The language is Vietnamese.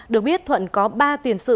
được biết thuận có ba tiền sự